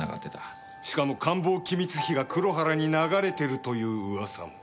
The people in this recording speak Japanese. しかも官房機密費が黒原に流れてるという噂も。